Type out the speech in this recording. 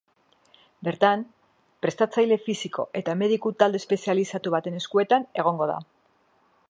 Bertan, prestatzaile fisiko eta mediku talde espezializatu baten eskuetan egongo da.